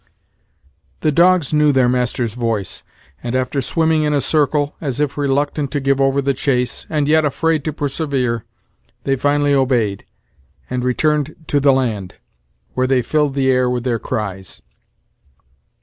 The dogs knew their master's voice, and after swimming in a circle, as if reluctant to give over the chase, and yet afraid to persevere, they finally obeyed, and returned to the land, where they filled the air with their cries.